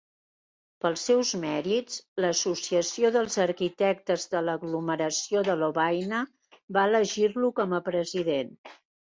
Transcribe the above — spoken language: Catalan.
Pels seus mèrits, l'Associació dels arquitectes de l'aglomeració de Lovaina va elegir-lo com a president.